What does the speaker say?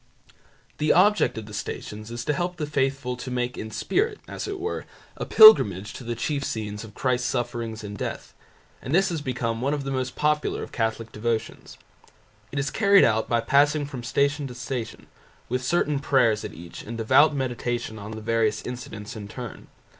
The object of the Stations is to help the faithful to make in spirit, as it were, a pilgrimage to the chief scenes of Christ's sufferings and death, and this has become one of the most popular of Catholic devotions. It is carried out by passing from Station to Station, with certain prayers at each and devout meditation on the various incidents in turn.